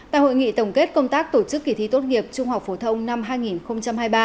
tại hội nghị tổng kết công tác tổ chức kỳ thi tốt nghiệp trung học phổ thông năm hai nghìn hai mươi ba